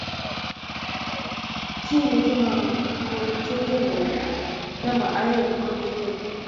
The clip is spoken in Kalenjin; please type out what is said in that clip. kiy ne kiimongu ko kingen kole namba oeng ko nenyin